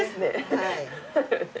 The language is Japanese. はい。